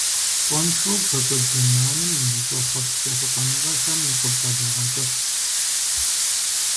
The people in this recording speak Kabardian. Пщӏэншэу бгъэкӏуэд зэманым узыщӏэхъуэпс ехъулӏэныгъэхэм укъыбгъэдагъэкӏуэт.